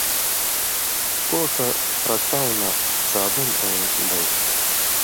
کو ڇہ پرہ تاؤں نہ څابُون اَیں بئ تھی،